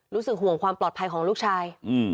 รู้สึกห่วงความปลอดภัยของลูกชาย